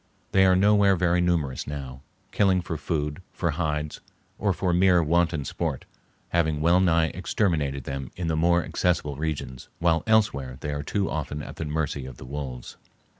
They are nowhere very numerous now, killing for food, for hides, or for mere wanton sport, having well nigh exterminated them in the more accessible regions, while elsewhere they are too often at the mercy of the wolves.